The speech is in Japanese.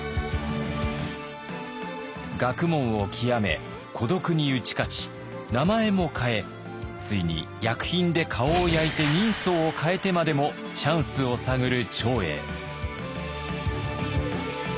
学問を究め孤独に打ち勝ち名前も変えついに薬品で顔を焼いて人相を変えてまでもチャンスを探る長英。